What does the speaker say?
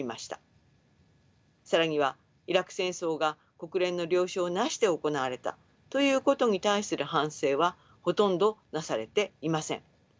更にはイラク戦争が国連の了承なしで行われたということに対する反省はほとんどなされていません。